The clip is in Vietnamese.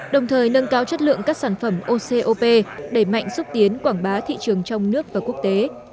đồng thời nâng cao chất lượng các sản phẩm ocop đẩy mạnh xúc tiến quảng bá thị trường trong nước và quốc tế